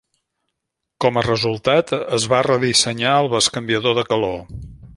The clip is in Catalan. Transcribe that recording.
Com a resultat, es va redissenyar el bescanviador de calor.